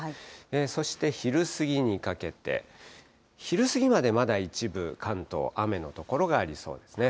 そして、昼過ぎにかけて、昼過ぎまでまだ一部関東、雨の所がありそうですね。